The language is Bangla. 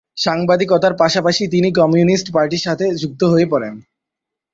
সাংবাদিকতার পাশাপাশি তিনি কমিউনিস্ট পার্টির সাথে যুক্ত হয়ে পড়েন।